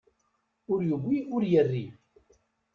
Ur iwwi, ur irri.